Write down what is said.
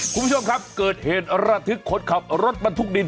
คุณผู้ชมครับเกิดเหตุระทึกคนขับรถบรรทุกดิน